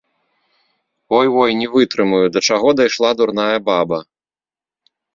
Ой, ой, не вытрымаю, да чаго дайшла дурная баба!